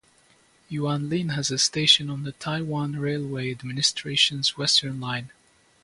Yuanlin has a station on the Taiwan Railway Administration's Western Line.